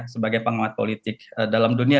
sebagai pengamat politik dalam dunia